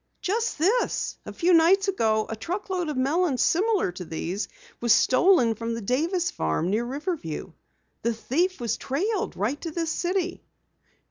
"Just this. A few nights ago a truck load of melons similar to these, was stolen from the Davis farm near Riverview. The thief was trailed right to this city."